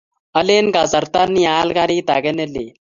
Alen kasarta ni aal karit age ne lel.